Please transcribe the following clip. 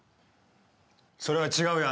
それは違うよ